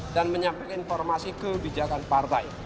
dan menyampaikan informasi kebijakan partai